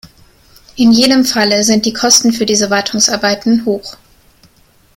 In jedem Falle sind die Kosten für diese Wartungsarbeiten hoch.